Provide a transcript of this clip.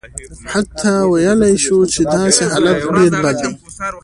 حتی ویلای شو چې داسې حالت ډېر بد دی.